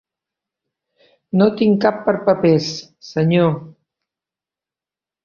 No tinc cap per papers, Senyor.